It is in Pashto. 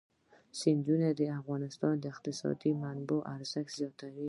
سیندونه د افغانستان د اقتصادي منابعو ارزښت زیاتوي.